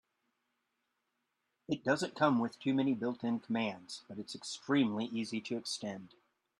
It doesn't come with too many built-in commands, but it's extremely easy to extend.